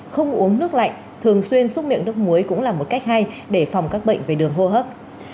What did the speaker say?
không uống nước lạnh thường xuyên xúc miệng nước muối cũng là một cách hay để phòng các bệnh về đường hô hấp